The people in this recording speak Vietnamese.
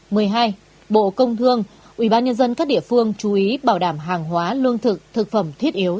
một mươi hai bộ công thương ubnd các địa phương chú ý bảo đảm hàng hóa lương thực thực phẩm thiết yếu